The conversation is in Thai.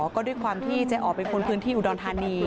ก็ด้วยความที่เจ๊อ๋อเป็นคนพื้นที่อุดรธานี